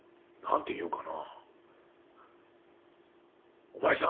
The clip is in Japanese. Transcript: って言うかな？」。